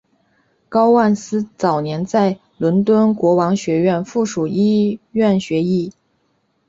高万斯早年在伦敦国王学院附属医院学医。